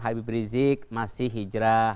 habib rizik masih hijrah